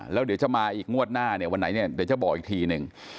แล้วเดี๋ยวจะมาอีกงวดหน้าเนี่ยวันไหนเนี่ยเดี๋ยวจะบอกอีกทีหนึ่ง